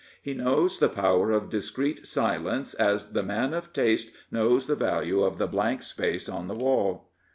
He knows the power of discreet silence as the man of taste knows the value of the blank space on the wall.